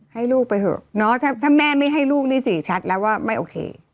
ให้ลูกไปเถอะเนาะถ้าแม่ไม่ให้ลูกนี่สื่อชัดแล้วว่าไม่โอเค